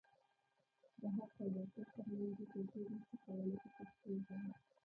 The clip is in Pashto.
د حق او باطل تر منځ یې توپیر نشو کولای په پښتو ژبه.